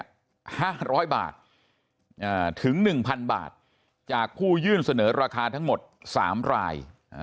๕๐๐บาทถึง๑๐๐บาทจากผู้ยื่นเสนอราคาทั้งหมด๓ราย